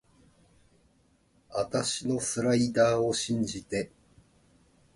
あたしのスライダーを信じて